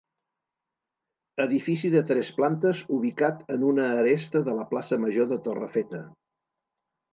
Edifici de tres plantes ubicat en una aresta de la Plaça Major de Torrefeta.